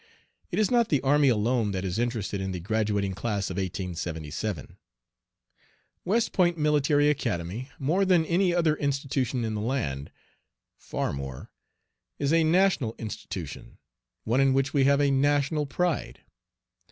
It is not the army alone that is interested in the graduating class of 1877. West Point Military Academy, more than any other institution in the land far more is a national institution one in which we have a national pride.